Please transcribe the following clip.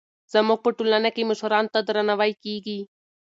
زموږ په ټولنه کې مشرانو ته درناوی کېږي.